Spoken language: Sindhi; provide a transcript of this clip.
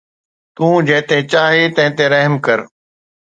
تون جنهن تي چاهي تنهن تي رحم ڪر